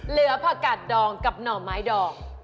เหลือผักกาดดองกับหน่อไม้ดอง